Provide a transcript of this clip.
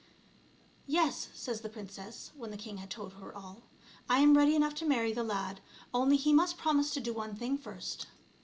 ." Yes," says the princess when the king had told her all. " I am ready enough to marry the lad, only he must promise to do one thing first."